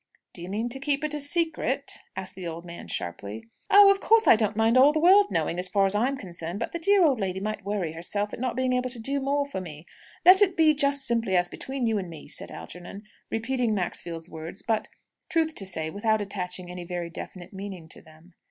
"Do you mean to keep it a secret?" asked the old man, sharply. "Oh, of course I don't mind all the world knowing, as far as I'm concerned. But the dear old lady might worry herself at not being able to do more for me. Let it be just simply as between you and me," said Algernon, repeating Maxfield's words, but, truth to say, without attaching any very definite meaning to them.